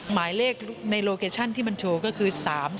หมายเลขในโลเคชั่นที่มันโชว์ก็คือ๓๔